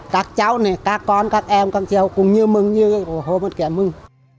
các cháu này các con các em các cháu cũng như mừng như hồ văn kiện mừng